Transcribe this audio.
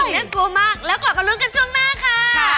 น่ากลัวมากแล้วกลับมาลุ้นกันช่วงหน้าค่ะ